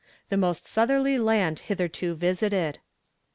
the most southerly land hitherto visited.